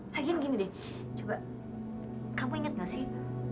lagian gini deh coba kamu inget nggak sih